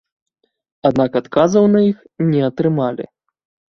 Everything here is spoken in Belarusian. Аднак адказаў на іх не атрымалі.